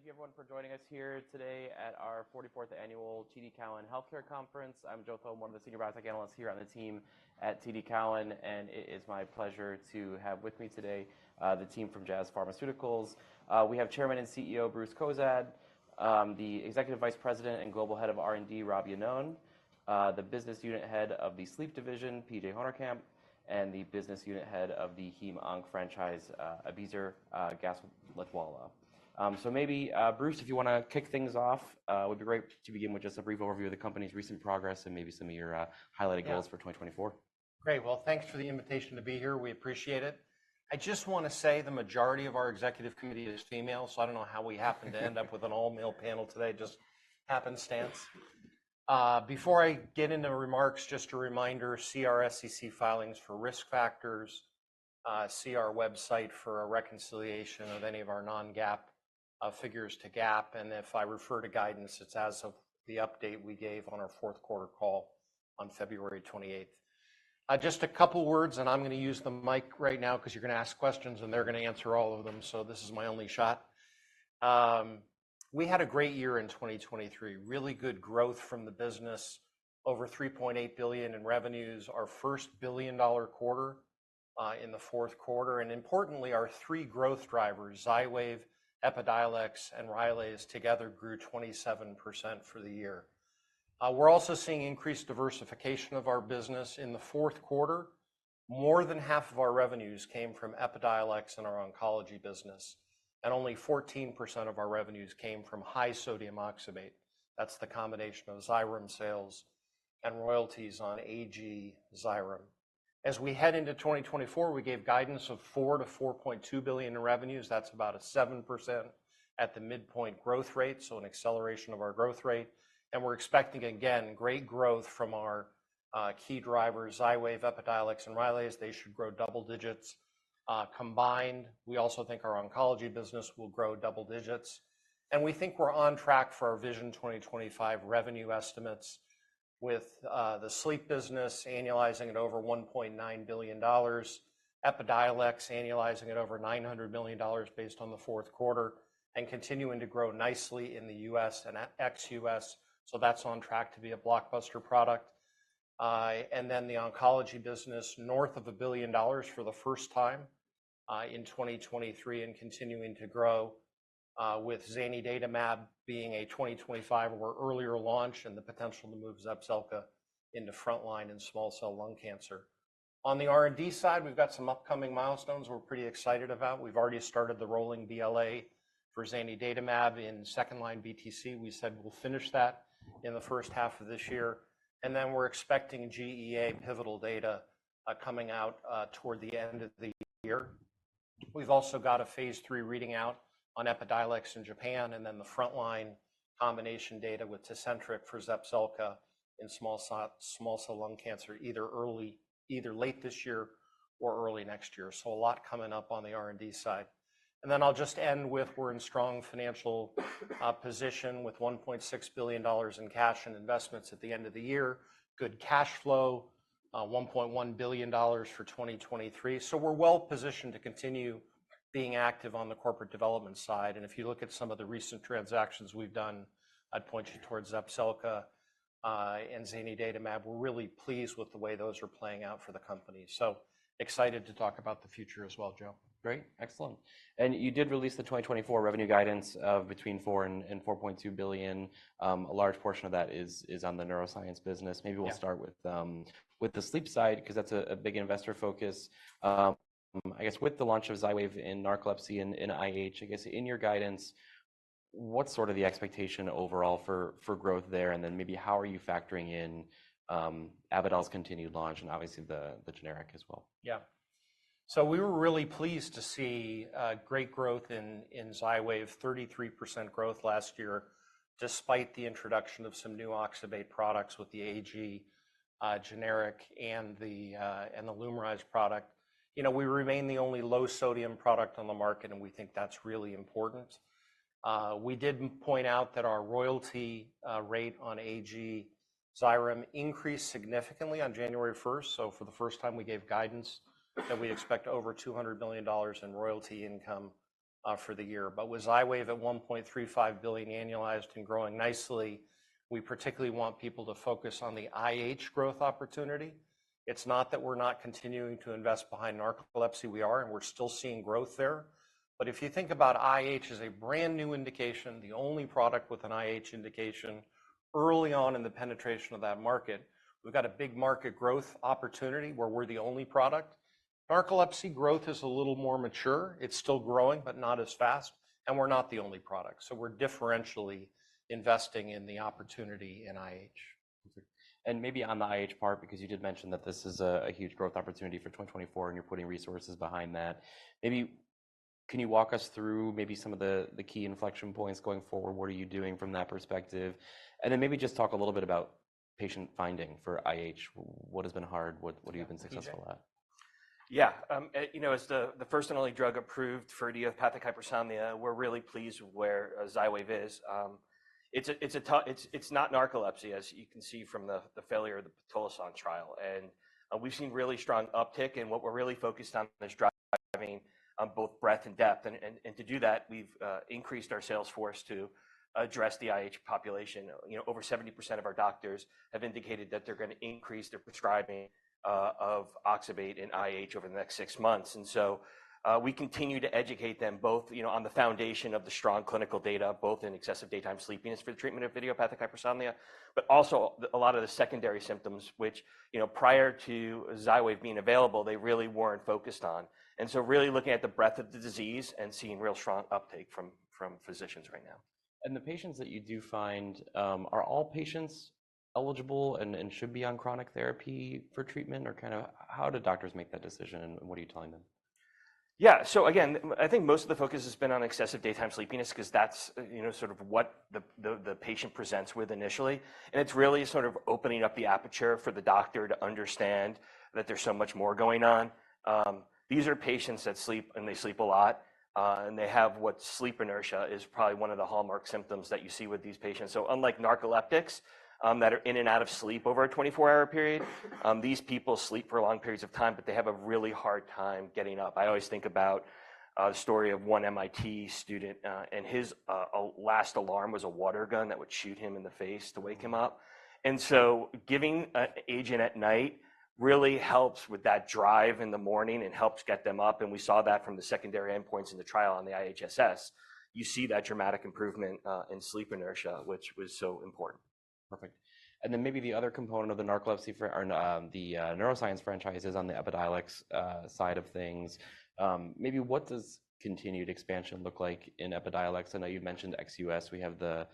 Very much. Thank you, everyone, for joining us here today at our 44th annual TD Cowen Healthcare Conference. I'm Joe Thome, one of the senior biotech analysts here on the team at TD Cowen, and it is my pleasure to have with me today, the team from Jazz Pharmaceuticals. We have Chairman and CEO Bruce Cozadd, the Executive Vice President and Global Head of R&D Rob Iannone, the Business Unit Head of the Sleep Division PJ Honerkamp, and the Business Unit Head of the Heme/Onc franchise, Abizer Gaslightwala. So maybe, Bruce, if you want to kick things off, it would be great to begin with just a brief overview of the company's recent progress and maybe some of your, highlighted goals for 2024. Yeah. Great. Well, thanks for the invitation to be here. We appreciate it. I just want to say the majority of our executive committee is female, so I don't know how we happened to end up with an all-male panel today, just happenstance. Before I get into remarks, just a reminder: SEC filings for risk factors, see our website for a reconciliation of any of our non-GAAP figures to GAAP, and if I refer to guidance, it's as of the update we gave on our fourth quarter call on February 28th. Just a couple words, and I'm going to use the mic right now because you're going to ask questions, and they're going to answer all of them, so this is my only shot. We had a great year in 2023, really good growth from the business, over $3.8 billion in revenues, our first billion-dollar quarter, in the fourth quarter, and importantly, our three growth drivers, Xywav, Epidiolex, and Rylaze, together grew 27% for the year. We're also seeing increased diversification of our business. In the fourth quarter, more than half of our revenues came from Epidiolex and our oncology business, and only 14% of our revenues came from high sodium oxybate. That's the combination of Xyrem sales and royalties on AG Xyrem. As we head into 2024, we gave guidance of $4 billion-$4.2 billion in revenues. That's about a 7% at the midpoint growth rate, so an acceleration of our growth rate, and we're expecting, again, great growth from our, key drivers, Xywav, Epidiolex, and Rylaze. They should grow double digits. Combined, we also think our oncology business will grow double digits, and we think we're on track for our Vision 2025 revenue estimates with the sleep business annualizing at over $1.9 billion, Epidiolex annualizing at over $900 million based on the fourth quarter, and continuing to grow nicely in the US and ex-U.S., so that's on track to be a blockbuster product. Then the oncology business, north of $1 billion for the first time in 2023 and continuing to grow, with Zanydatamab being a 2025 or earlier launch and the potential to move Zepzelca into frontline in small-cell lung cancer. On the R&D side, we've got some upcoming milestones we're pretty excited about. We've already started the rolling BLA for Zanydatamab in second-line BTC. We said we'll finish that in the first half of this year, and then we're expecting GEA pivotal data coming out toward the end of the year. We've also got a phase three reading out on Epidiolex in Japan and then the frontline combination data with Tecentriq for Zepzelca in small-cell lung cancer, either early or late this year or early next year, so a lot coming up on the R&D side. And then I'll just end with we're in strong financial position with $1.6 billion in cash and investments at the end of the year, good cash flow, $1.1 billion for 2023, so we're well positioned to continue being active on the corporate development side, and if you look at some of the recent transactions we've done, I'd point you toward Zepzelca and zanidatamab. We're really pleased with the way those are playing out for the company, so excited to talk about the future as well, Joe. Great. Excellent. And you did release the 2024 revenue guidance, between $4 billion and $4.2 billion. A large portion of that is on the neuroscience business. Maybe we'll start with the sleep side because that's a big investor focus. I guess with the launch of Xywav in narcolepsy and in IH, I guess in your guidance, what's sort of the expectation overall for growth there, and then maybe how are you factoring in, Avadel's continued launch and obviously the generic as well? Yeah. So we were really pleased to see great growth in Xywav, 33% growth last year despite the introduction of some new oxybate products with the AG generic and the Lumryz product. You know, we remain the only low-sodium product on the market, and we think that's really important. We did point out that our royalty rate on AG Xyrem increased significantly on January 1st, so for the first time we gave guidance that we expect over $200 million in royalty income for the year. But with Xywav at $1.35 billion annualized and growing nicely, we particularly want people to focus on the IH growth opportunity. It's not that we're not continuing to invest behind narcolepsy. We are, and we're still seeing growth there. If you think about IH as a brand new indication, the only product with an IH indication early on in the penetration of that market, we've got a big market growth opportunity where we're the only product. Narcolepsy growth is a little more mature. It's still growing but not as fast, and we're not the only product, so we're differentially investing in the opportunity in IH. Maybe on the IH part because you did mention that this is a huge growth opportunity for 2024 and you're putting resources behind that, maybe can you walk us through some of the key inflection points going forward? What are you doing from that perspective? And then maybe just talk a little bit about patient finding for IH. What has been hard? What have you been successful at? Yeah. You know, as the first and only drug approved for idiopathic hypersomnia, we're really pleased where Xywav is. It's a tough... it's not narcolepsy, as you can see from the failure of the pitolisant trial, and we've seen really strong uptick, and what we're really focused on is driving on both breath and depth. And to do that, we've increased our sales force to address the IH population. You know, over 70% of our doctors have indicated that they're going to increase their prescribing of oxybate in IH over the next six months, and so, we continue to educate them both, you know, on the foundation of the strong clinical data, both in excessive daytime sleepiness for the treatment of idiopathic hypersomnia, but also a lot of the secondary symptoms, which, you know, prior to Xywav being available, they really weren't focused on, and so really looking at the breadth of the disease and seeing real strong uptake from physicians right now. The patients that you do find, are all patients eligible and should be on chronic therapy for treatment, or kind of how do doctors make that decision, and what are you telling them? Yeah. So again, I think most of the focus has been on excessive daytime sleepiness because that's, you know, sort of what the patient presents with initially, and it's really sort of opening up the aperture for the doctor to understand that there's so much more going on. These are patients that sleep, and they sleep a lot, and they have sleep inertia, which is probably one of the hallmark symptoms that you see with these patients. So unlike narcoleptics, that are in and out of sleep over a 24-hour period, these people sleep for long periods of time, but they have a really hard time getting up. I always think about the story of one MIT student, and his last alarm was a water gun that would shoot him in the face to wake him up, and so giving a agent at night really helps with that drive in the morning and helps get them up, and we saw that from the secondary endpoints in the trial on the IHSS. You see that dramatic improvement in sleep inertia, which was so important. Perfect. And then maybe the other component of the narcolepsy, or the neuroscience franchise is on the Epidiolex side of things. Maybe what does continued expansion look like in Epidiolex? I know you mentioned ex-U.S. We have the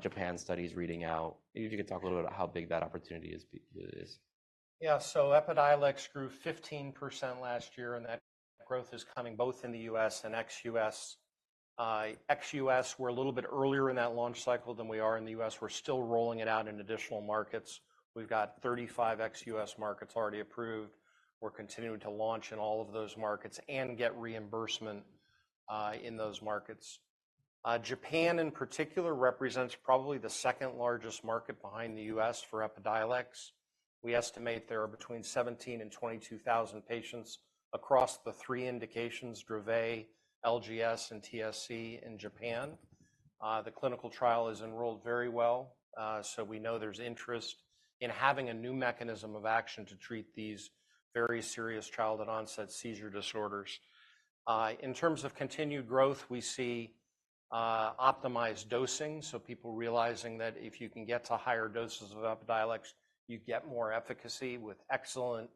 Japan studies reading out. Maybe if you could talk a little bit about how big that opportunity is. Yeah. So Epidiolex grew 15% last year, and that growth is coming both in the U.S. and ex-U.S. ex-U.S., we're a little bit earlier in that launch cycle than we are in the U.S. We're still rolling it out in additional markets. We've got 35 ex-U.S. markets already approved. We're continuing to launch in all of those markets and get reimbursement, in those markets. Japan in particular represents probably the second largest market behind the U.S. for Epidiolex. We estimate there are between 17,000 and 22,000 patients across the three indications, Dravet, LGS, and TSC, in Japan. The clinical trial is enrolled very well, so we know there's interest in having a new mechanism of action to treat these very serious childhood onset seizure disorders. In terms of continued growth, we see optimized dosing, so people realizing that if you can get to higher doses of Epidiolex, you get more efficacy with excellent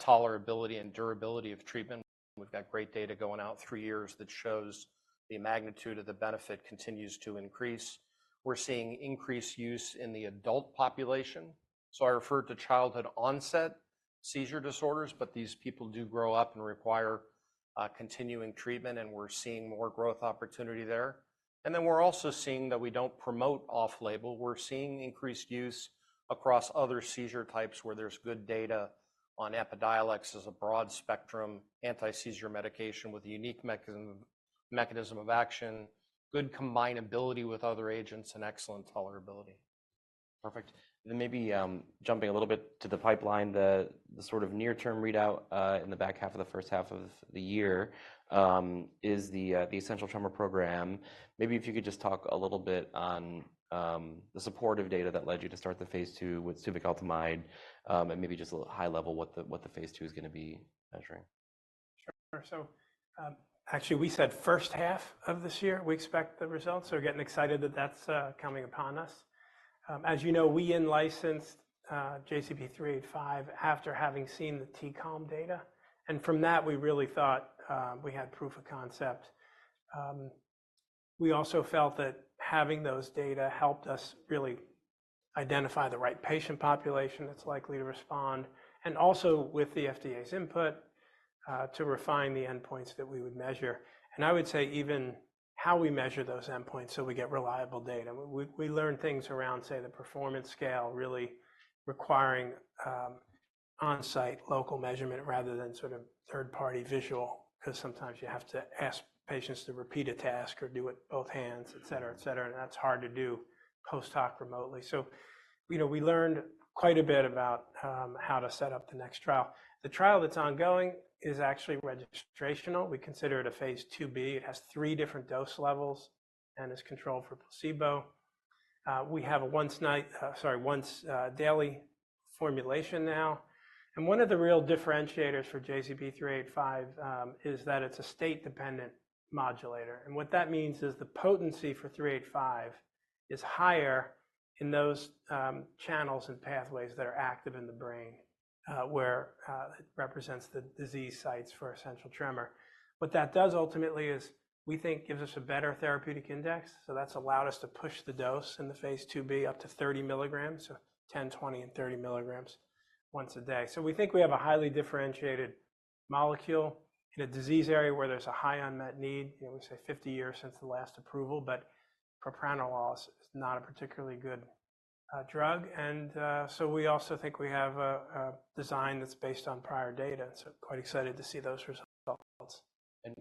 tolerability and durability of treatment. We've got great data going out three years that shows the magnitude of the benefit continues to increase. We're seeing increased use in the adult population, so I refer to childhood onset seizure disorders, but these people do grow up and require continuing treatment, and we're seeing more growth opportunity there. And then we're also seeing that we don't promote off-label. We're seeing increased use across other seizure types where there's good data on Epidiolex as a broad spectrum anti-seizure medication with a unique mechanism of action, good combinability with other agents, and excellent tolerability. Perfect. Then maybe, jumping a little bit to the pipeline, the sort of near-term readout, in the back half of the first half of the year, is the Essential Tremor Program. Maybe if you could just talk a little bit on the supportive data that led you to start the phase two with ulixacaltamide, and maybe just a high level what the phase two is going to be measuring. Sure. So, actually, we said first half of this year we expect the results, so we're getting excited that that's coming upon us. As you know, we in-licensed JZP385 after having seen the T-CALM data, and from that, we really thought we had proof of concept. We also felt that having those data helped us really identify the right patient population that's likely to respond, and also with the FDA's input, to refine the endpoints that we would measure, and I would say even how we measure those endpoints so we get reliable data. We learned things around, say, the performance scale really requiring on-site local measurement rather than sort of third-party visual because sometimes you have to ask patients to repeat a task or do it both hands, etc., etc., and that's hard to do post-hoc remotely. So, you know, we learned quite a bit about how to set up the next trial. The trial that's ongoing is actually registrational. We consider it a Phase IIB. It has three different dose levels and is controlled for placebo. We have a once-daily formulation now, and one of the real differentiators for JZP385 is that it's a state-dependent modulator, and what that means is the potency for 385 is higher in those channels and pathways that are active in the brain, where it represents the disease sites for essential tremor. What that does ultimately is we think gives us a better therapeutic index, so that's allowed us to push the dose in the phase 2B up to 30 milligrams, so 10, 20, and 30 milligrams once a day. So we think we have a highly differentiated molecule in a disease area where there's a high unmet need. You know, we say 50 years since the last approval, but propranolol is not a particularly good drug, and so we also think we have a design that's based on prior data, so quite excited to see those results.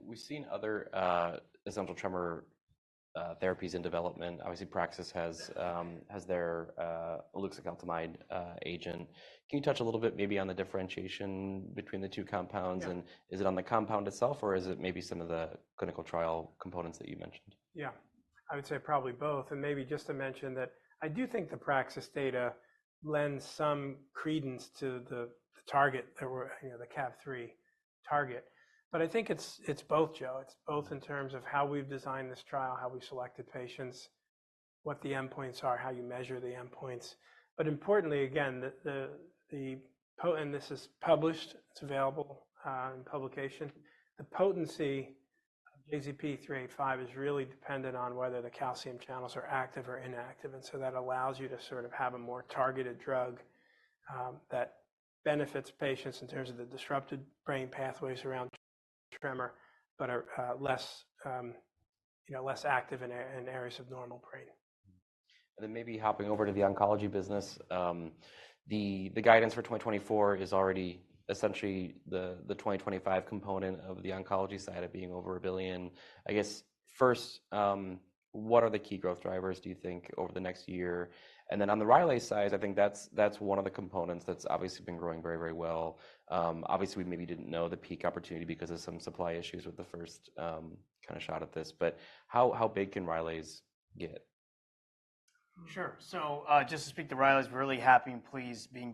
We've seen other essential tremor therapies in development. Obviously, Praxis has their eluxicultamide agent. Can you touch a little bit maybe on the differentiation between the two compounds, and is it on the compound itself, or is it maybe some of the clinical trial components that you mentioned? Yeah. I would say probably both, and maybe just to mention that I do think the Praxis data lends some credence to the target that we're, you know, the CAV3 target, but I think it's both, Joe. It's both in terms of how we've designed this trial, how we selected patients, what the endpoints are, how you measure the endpoints, but importantly, again, and this is published. It's available in publication. The potency of JZP385 is really dependent on whether the calcium channels are active or inactive, and so that allows you to sort of have a more targeted drug that benefits patients in terms of the disrupted brain pathways around tremor but are less, you know, less active in areas of normal brain. And then maybe hopping over to the oncology business, the guidance for 2024 is already essentially the 2025 component of the oncology side of being over $1 billion. I guess first, what are the key growth drivers, do you think, over the next year? And then on the Rylaze side, I think that's one of the components that's obviously been growing very, very well. Obviously, we maybe didn't know the peak opportunity because of some supply issues with the first, kind of shot at this, but how big can Rylaze get? Sure. So, just to speak, Rylaze's really happy and pleased being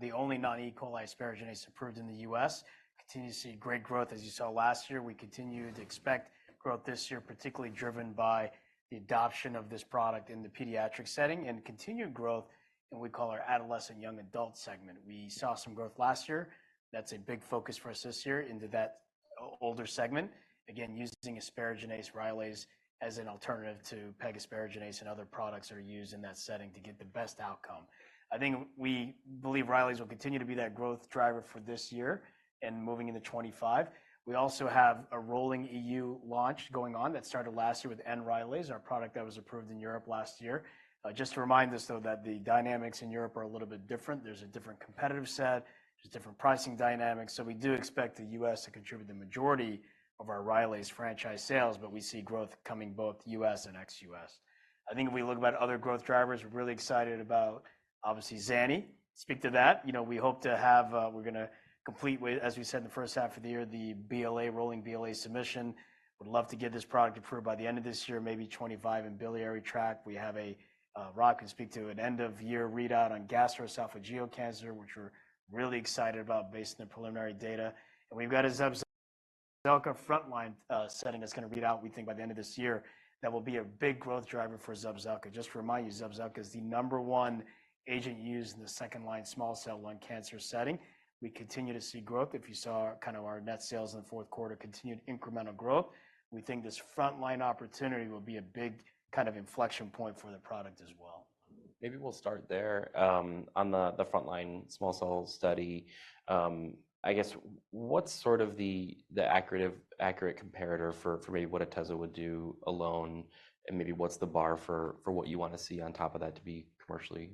the only non-E. coli asparaginase approved in the U.S. Continue to see great growth as you saw last year. We continue to expect growth this year, particularly driven by the adoption of this product in the pediatric setting and continued growth in what we call our adolescent young adult segment. We saw some growth last year. That's a big focus for us this year into that older segment, again, using asparaginase, Rylaze, as an alternative to PEG-asparaginase, and other products that are used in that setting to get the best outcome. I think we believe Rylaze will continue to be that growth driver for this year and moving into 2025. We also have a rolling EU launch going on that started last year with Rylaze, our product that was approved in Europe last year. Just to remind us, though, that the dynamics in Europe are a little bit different. There's a different competitive set. There's different pricing dynamics, so we do expect the U.S to contribute the majority of our Rylaze franchise sales, but we see growth coming both U.S. and ex-U.S. I think if we look about other growth drivers, we're really excited about, obviously, Zani. Speak to that. You know, we hope to have, we're going to complete with, as we said in the first half of the year, the BLA rolling BLA submission. Would love to get this product approved by the end of this year, maybe 2025 in biliary tract. We have an end-of-year readout on gastroesophageal cancer, which we're really excited about based on the preliminary data, and we've got a Zepzelca frontline setting that's going to readout, we think, by the end of this year that will be a big growth driver for Zepzelca. Just to remind you, Zepzelca is the number one agent used in the second-line small cell lung cancer setting. We continue to see growth. If you saw kind of our net sales in the fourth quarter, continued incremental growth, we think this frontline opportunity will be a big kind of inflection point for the product as well. Maybe we'll start there. On the frontline small cell study, I guess what's sort of the accurate comparator for maybe what Atezolizumab would do alone, and maybe what's the bar for what you want to see on top of that to be commercially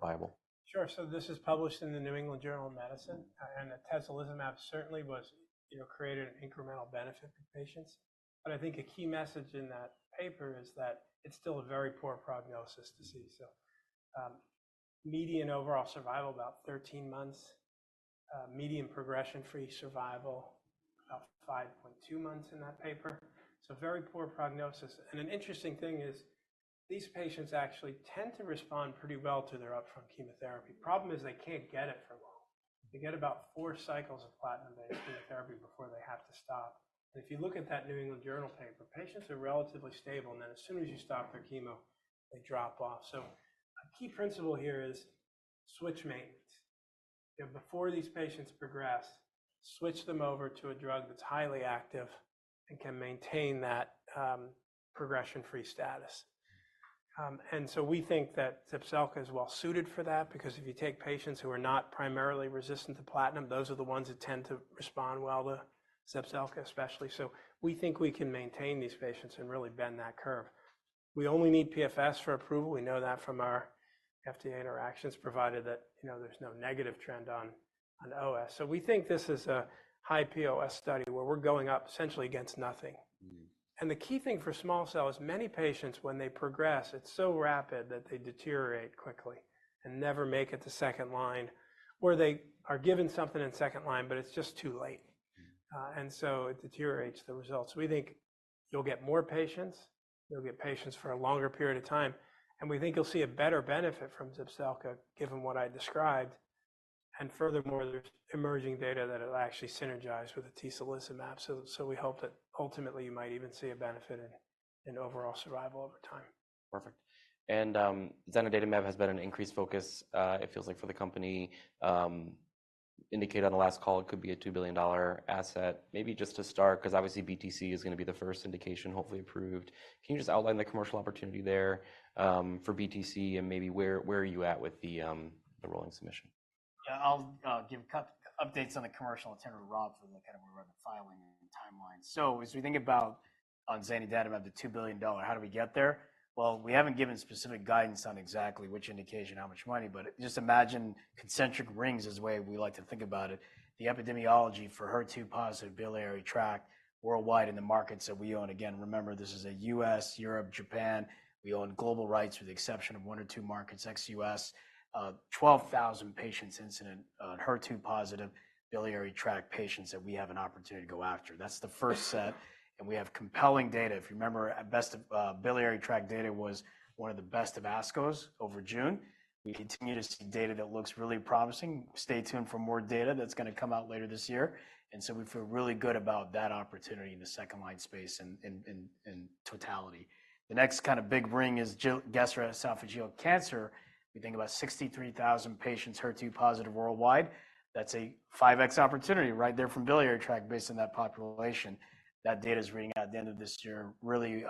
viable? Sure. So this is published in the New England Journal of Medicine, and atezolizumab certainly was, you know, created an incremental benefit for patients, but I think a key message in that paper is that it's still a very poor prognosis to see, so median overall survival about 13 months, median progression-free survival about 5.2 months in that paper, so very poor prognosis. And an interesting thing is these patients actually tend to respond pretty well to their upfront chemotherapy. Problem is they can't get it for long. They get about 4 cycles of platinum-based chemotherapy before they have to stop, and if you look at that New England Journal paper, patients are relatively stable, and then as soon as you stop their chemo, they drop off. So a key principle here is switch maintenance. You know, before these patients progress, switch them over to a drug that's highly active and can maintain that progression-free status. So we think that Zepzelca is well-suited for that because if you take patients who are not primarily resistant to platinum, those are the ones that tend to respond well to Zepzelca, especially, so we think we can maintain these patients and really bend that curve. We only need PFS for approval. We know that from our FDA interactions, provided that, you know, there's no negative trend on OS. So we think this is a high POS study where we're going up essentially against nothing, and the key thing for small cell is many patients, when they progress, it's so rapid that they deteriorate quickly and never make it to second line or they are given something in second line, but it's just too late, and so it deteriorates the results. We think you'll get more patients. You'll get patients for a longer period of time, and we think you'll see a better benefit from Zepzelca given what I described, and furthermore, there's emerging data that it actually synergizes with the atezolizumab, so we hope that ultimately you might even see a benefit in overall survival over time. Perfect. And, zanidatamab has been an increased focus, it feels like, for the company. Indicated on the last call, it could be a $2 billion asset. Maybe just to start because obviously BTC is going to be the first indication, hopefully approved. Can you just outline the commercial opportunity there, for BTC and maybe where are you at with the rolling submission? Yeah. I'll give quick updates on the commercial aspects to Rob for the kind of where we're at the filing and timeline. So as we think about on zanidatamab, the $2 billion, how do we get there? Well, we haven't given specific guidance on exactly which indication, how much money, but just imagine concentric rings is the way we like to think about it. The epidemiology for HER2 positive biliary tract worldwide in the markets that we own. Again, remember, this is a U.S., Europe, Japan. We own global rights with the exception of one or two markets, ex-US. 12,000 patients incident on HER2 positive biliary tract patients that we have an opportunity to go after. That's the first set, and we have compelling data. If you remember, best of, biliary tract data was one of the best of ASCOs over June. We continue to see data that looks really promising. Stay tuned for more data that's going to come out later this year, and so we feel really good about that opportunity in the second-line space in totality. The next kind of big ring is gastroesophageal cancer. We think about 63,000 patients HER2 positive worldwide. That's a 5X opportunity right there from biliary tract based on that population. That data is reading out at the end of this year. Really,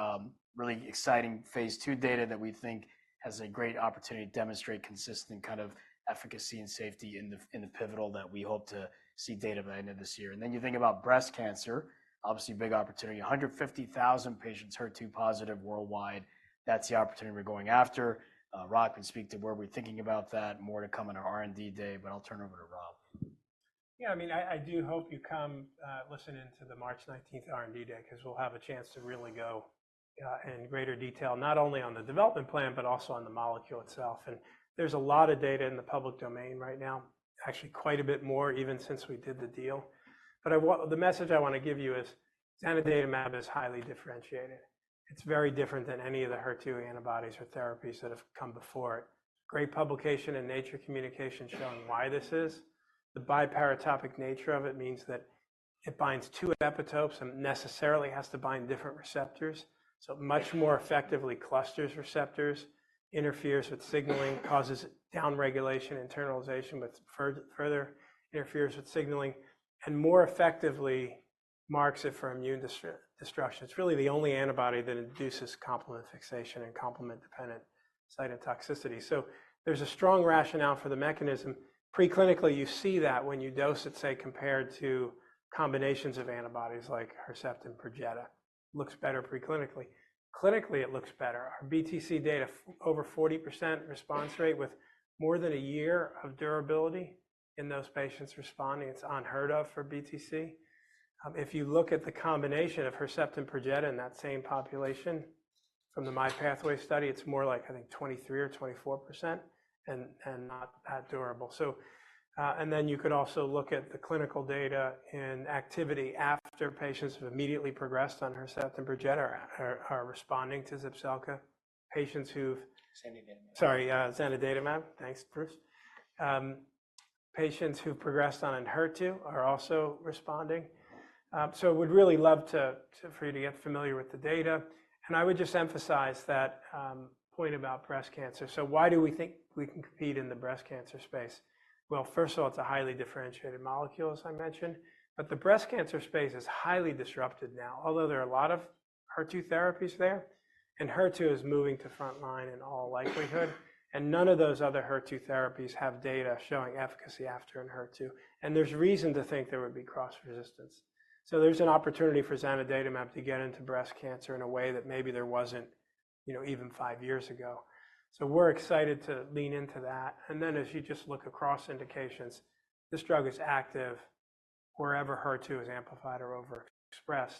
really exciting Phase II data that we think has a great opportunity to demonstrate consistent kind of efficacy and safety in the pivotal that we hope to see data by the end of this year. And then you think about breast cancer, obviously big opportunity, 150,000 patients HER2 positive worldwide. That's the opportunity we're going after. Rock can speak to where we're thinking about that, more to come in our R&D day, but I'll turn over to Rob. Yeah. I mean, I do hope you come, listening to the March 19th R&D day because we'll have a chance to really go, in greater detail, not only on the development plan but also on the molecule itself, and there's a lot of data in the public domain right now, actually quite a bit more even since we did the deal, but I want the message I want to give you is zanidatamab is highly differentiated. It's very different than any of the HER2 antibodies or therapies that have come before it. Great publication in Nature Communications showing why this is. The biparatopic nature of it means that it binds two epitopes and necessarily has to bind different receptors, so it much more effectively clusters receptors, interferes with signaling, causes downregulation, internalization, but further interferes with signaling, and more effectively marks it for immune destruction. It's really the only antibody that induces complement fixation and complement-dependent cytotoxicity, so there's a strong rationale for the mechanism. Preclinically, you see that when you dose it, say, compared to combinations of antibodies like Herceptin and Perjeta. Looks better preclinically. Clinically, it looks better. Our BTC data, over 40% response rate with more than a year of durability in those patients responding. It's unheard of for BTC. If you look at the combination of Herceptin and Perjeta in that same population from the MyPathway study, it's more like, I think, 23% or 24% and not that durable. So, and then you could also look at the clinical data in activity after patients have immediately progressed on Herceptin and Perjeta are responding to Zepzelca. Patients who've. Xenodatameb. Sorry, zanidatamab. Thanks, Bruce. Patients who've progressed on Enhertu are also responding. So I would really love for you to get familiar with the data, and I would just emphasize that point about breast cancer. So why do we think we can compete in the breast cancer space? Well, first of all, it's a highly differentiated molecule, as I mentioned, but the breast cancer space is highly disrupted now, although there are a lot of HER2 therapies there, and HER2 is moving to frontline in all likelihood, and none of those other HER2 therapies have data showing efficacy after Enhertu, and there's reason to think there would be cross-resistance. So there's an opportunity for zanidatamab to get into breast cancer in a way that maybe there wasn't, you know, even five years ago, so we're excited to lean into that. And then as you just look across indications, this drug is active wherever HER2 is amplified or overexpressed,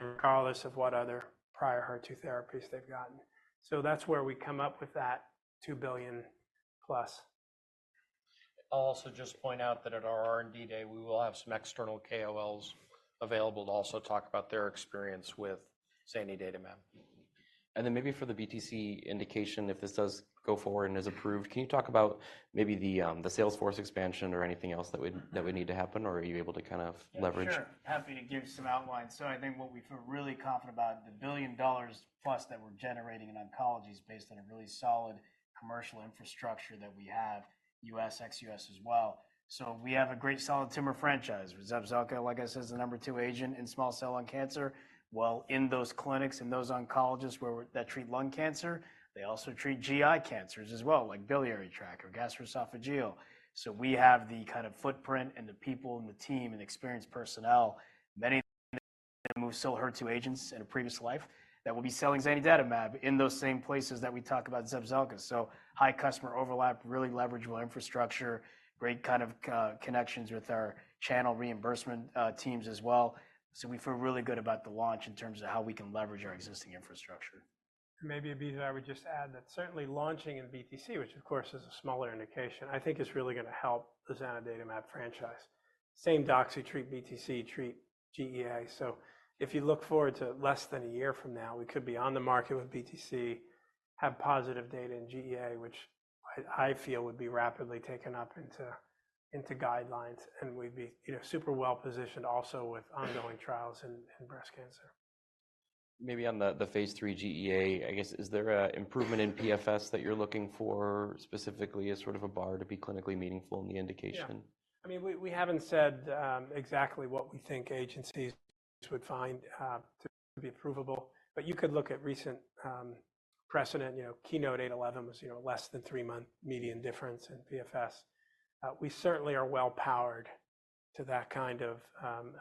regardless of what other prior HER2 therapies they've gotten, so that's where we come up with that $2 billion+. I'll also just point out that at our R&D day, we will have some external KOLs available to also talk about their experience with zanidatamab. And then maybe for the BTC indication, if this does go forward and is approved, can you talk about maybe the sales force expansion or anything else that would need to happen, or are you able to kind of leverage? Sure. Happy to give some outline. So I think what we feel really confident about, the $1 billion plus that we're generating in oncology is based on a really solid commercial infrastructure that we have, US, ex-US as well. So we have a great solid tumor franchise. Zepzelca, like I said, is the number two agent in small cell lung cancer. Well, in those clinics and those oncologists where we that treat lung cancer, they also treat GI cancers as well, like biliary tract or gastroesophageal, so we have the kind of footprint and the people and the team and experienced personnel, many that move sell HER2 agents in a previous life, that will be selling zanidatamab in those same places that we talk about Zepzelca. So, high customer overlap, really leverageable infrastructure, great kind of connections with our channel reimbursement teams as well, so we feel really good about the launch in terms of how we can leverage our existing infrastructure. And maybe a beat that I would just add that certainly launching in BTC, which of course is a smaller indication, I think is really going to help the zanidatamab franchise. Same Doxy, treat BTC, treat GEA, so if you look forward to less than a year from now, we could be on the market with BTC, have positive data in GEA, which I feel would be rapidly taken up into guidelines, and we'd be, you know, super well-positioned also with ongoing trials in breast cancer. Maybe on the Phase III GEA, I guess, is there an improvement in PFS that you're looking for specifically as sort of a bar to be clinically meaningful in the indication? Yeah. I mean, we haven't said exactly what we think agencies would find to be approvable, but you could look at recent precedent, you know, KEYNOTE- 811 was, you know, less than three-month median difference in PFS. We certainly are well-powered to that kind of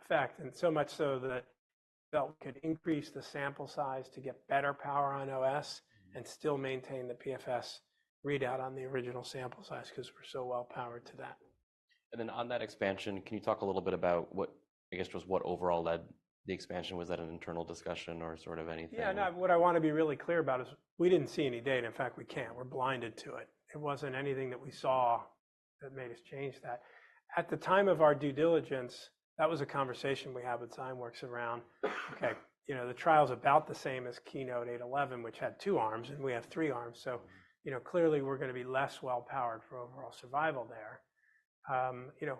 effect, and so much so that we felt we could increase the sample size to get better power on OS and still maintain the PFS readout on the original sample size because we're so well-powered to that. And then on that expansion, can you talk a little bit about what, I guess, was what overall led the expansion? Was that an internal discussion or sort of anything? Yeah. Now, what I want to be really clear about is we didn't see any data. In fact, we can't. We're blinded to it. It wasn't anything that we saw that made us change that. At the time of our due diligence, that was a conversation we had with Zymerworks around, okay, you know, the trial's about the same as keynote 8/11, which had two arms, and we have three arms, so, you know, clearly we're going to be less well-powered for overall survival there. You know,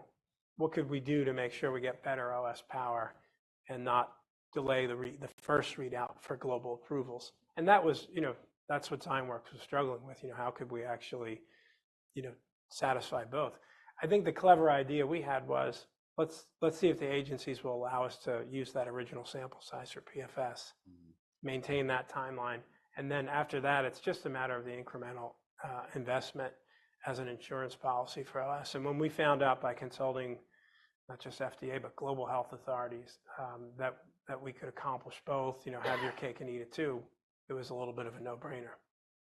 what could we do to make sure we get better OS power and not delay the re the first readout for global approvals? And that was, you know, that's what Zymerworks was struggling with, you know, how could we actually, you know, satisfy both? I think the clever idea we had was let's see if the agencies will allow us to use that original sample size for PFS, maintain that timeline, and then after that, it's just a matter of the incremental investment as an insurance policy for OS. And when we found out by consulting not just FDA but global health authorities, that we could accomplish both, you know, have your cake and eat it too, it was a little bit of a no-brainer.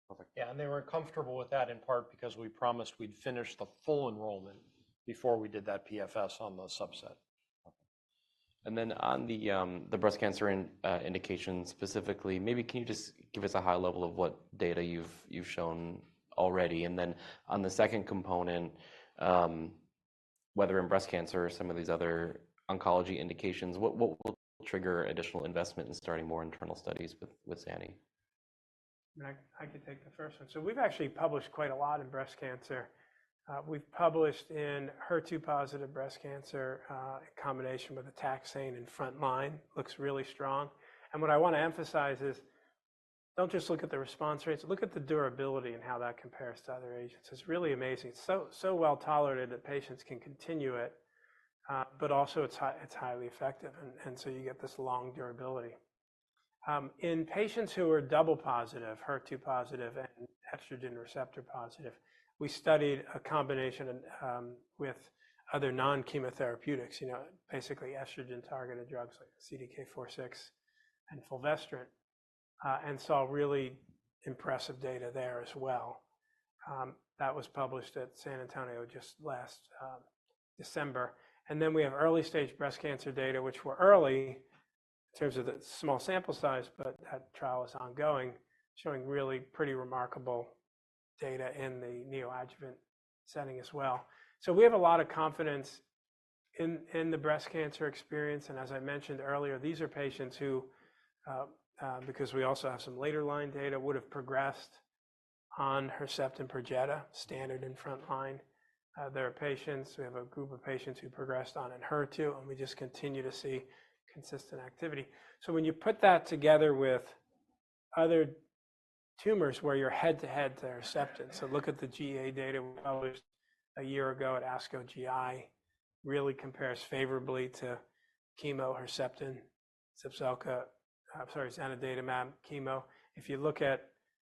Perfect. Yeah. They were comfortable with that in part because we promised we'd finish the full enrollment before we did that PFS on the subset. And then on the breast cancer indication specifically, maybe can you just give us a high level of what data you've shown already, and then on the second component, whether in breast cancer or some of these other oncology indications, what will trigger additional investment in starting more internal studies with Xeni? I mean, I could take the first one. So we've actually published quite a lot in breast cancer. We've published in HER2 positive breast cancer, in combination with taxane in front line. Looks really strong. And what I want to emphasize is don't just look at the response rates. Look at the durability and how that compares to other agents. It's really amazing. It's so well-tolerated that patients can continue it, but also it's highly effective, and so you get this long durability. In patients who are double positive, HER2 positive, and estrogen receptor positive, we studied a combination, with other non-chemotherapeutics, you know, basically estrogen-targeted drugs like CDK4/6 and Fulvestrant, and saw really impressive data there as well. That was published at San Antonio just last December. And then we have early-stage breast cancer data, which were early in terms of the small sample size, but that trial is ongoing, showing really pretty remarkable data in the neoadjuvant setting as well. So we have a lot of confidence in the breast cancer experience, and as I mentioned earlier, these are patients who, because we also have some later-line data, would have progressed on Herceptin and Perjeta, standard in front line. They're patients. We have a group of patients who progressed on Enhertu, and we just continue to see consistent activity. So when you put that together with other tumors where you're head-to-head to Herceptin, so look at the GEA data we published a year ago at ASCO GI, really compares favorably to chemo Herceptin, Zepzelca, I'm sorry, zanidatamab chemo. If you look at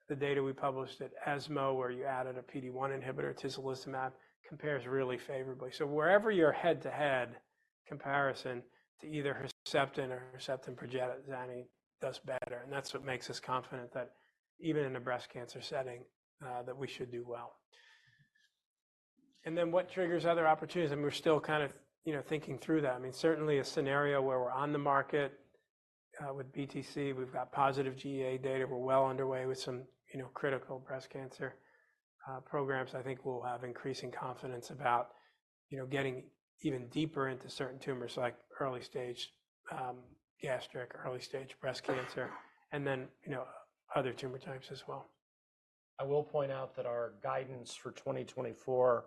the data we published at ESMO where you added a PD-1 inhibitor, atezolizumab, compares really favorably. So wherever you're head-to-head comparison to either Herceptin or Herceptin and Perjeta, Xeni does better, and that's what makes us confident that even in a breast cancer setting, that we should do well. And then what triggers other opportunities? And we're still kind of, you know, thinking through that. I mean, certainly a scenario where we're on the market, with BTC, we've got positive GEA data, we're well underway with some, you know, critical breast cancer programs, I think we'll have increasing confidence about, you know, getting even deeper into certain tumors like early-stage gastric, early-stage breast cancer, and then, you know, other tumor types as well. I will point out that our guidance for 2024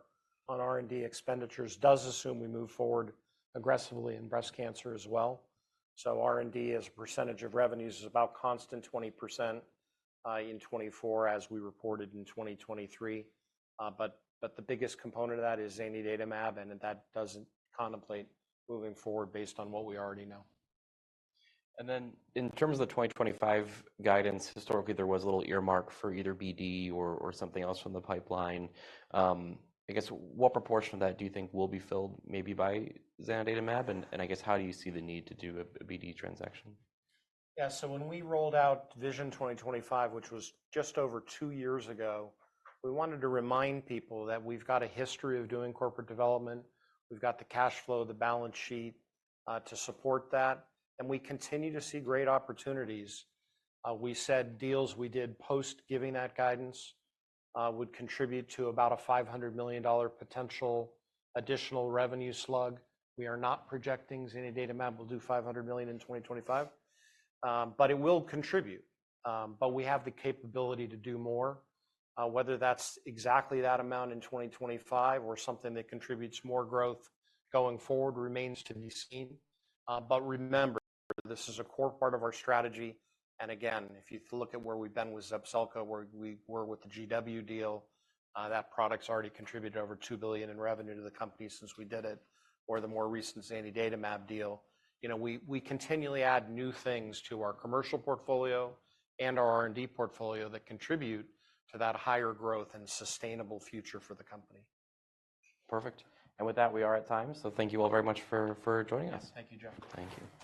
on R&D expenditures does assume we move forward aggressively in breast cancer as well, so R&D as a percentage of revenues is about constant 20%, in 2024 as we reported in 2023, but the biggest component of that is zanidatamab, and that doesn't contemplate moving forward based on what we already know. And then in terms of the 2025 guidance, historically, there was a little earmark for either BD or or something else from the pipeline. I guess what proportion of that do you think will be filled maybe by zanidatamab, and and I guess how do you see the need to do a BD transaction? Yeah. So when we rolled out Vision 2025, which was just over two years ago, we wanted to remind people that we've got a history of doing corporate development, we've got the cash flow, the balance sheet, to support that, and we continue to see great opportunities. We said deals we did post-giving that guidance, would contribute to about a $500 million potential additional revenue slug. We are not projecting zanidatamab will do $500 million in 2025, but it will contribute, but we have the capability to do more. whether that's exactly that amount in 2025 or something that contributes more growth going forward remains to be seen, but remember, this is a core part of our strategy, and again, if you look at where we've been with Zepzelca, where we were with the GW deal, that product's already contributed over $2 billion in revenue to the company since we did it, or the more recent zanidatamab deal, you know, we continually add new things to our commercial portfolio and our R&D portfolio that contribute to that higher growth and sustainable future for the company. Perfect. And with that, we are at time, so thank you all very much for joining us. Thank you, Jeff. Thank you.